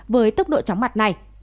với tốc độ tróng mặt này